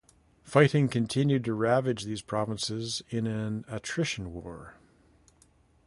Fighting continued to ravage these provinces in an attrition war.